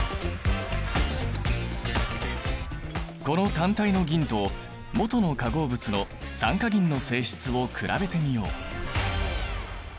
この単体の銀ともとの化合物の酸化銀の性質を比べてみよう。